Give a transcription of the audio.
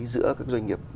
giữa các doanh nghiệp